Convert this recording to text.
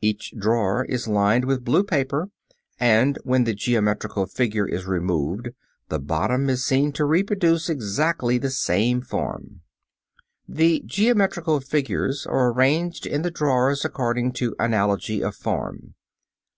Each drawer is lined with blue paper, and when the geometrical figure is removed, the bottom is seen to reproduce exactly the same form. The geometrical figures are arranged in the drawers according to analogy of form.